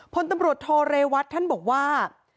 พตรโทเรวัชท์ท่านบอกว่า